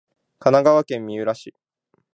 神奈川県三浦市